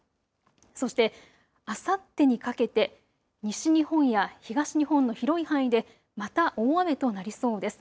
そして、あさってにかけて西日本や東日本の広い範囲でまた大雨となりそうです。